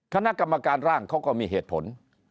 คณะกรรมการร่างเขาก็มีเหตุผล